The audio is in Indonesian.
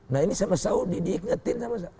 nah ini sama saudi diingetin sama